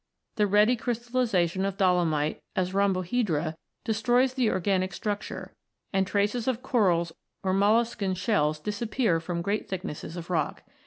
The ready crystallisation of dolomite as rhombohedra destroys the organic structure, and traces of corals or molluscan shells disappear from great thicknesses of rock.